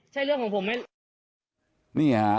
ใช่เรื่องของผมไหม